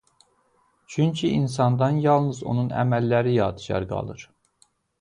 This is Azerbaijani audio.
Çünki insandan yalnız onun əməlləri yadigar qalır.